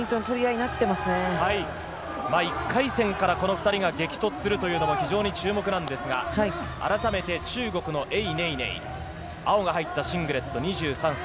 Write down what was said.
１回戦からこの２人が激突するというのが非常に注目なんですが、改めて中国のエイ・ネイネイ、青が入ったシングレット、２３歳。